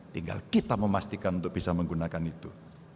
tinggal kita memastikan untuk bisa menggunakan itu